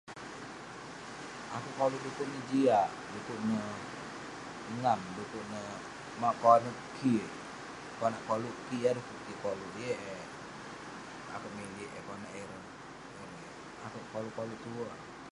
Akouk koluk dukuk neh jiak, dukuk neh ngam..dukuk neh mauk konep kik..konak koluk kik, yah dukuk kik koluk..yeng eh, akouk milik eh konak ireh erei..akouk koluk koluk tuerk..